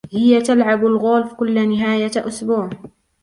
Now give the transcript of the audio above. هي تلعب الغولف كل نهاية أسبوع.